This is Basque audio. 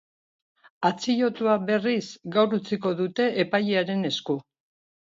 Atxilotua, berriz, gaur utziko dute epailearen esku.